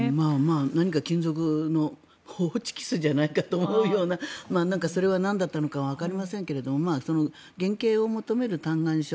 何か金属のホチキスじゃないかと思うようなそれはなんだったのかわかりませんがその減刑を求める嘆願書。